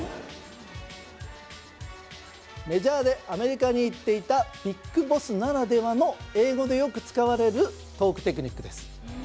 メジャーでアメリカに行っていたＢＩＧＢＯＳＳならではの英語でよく使われるトークテクニックです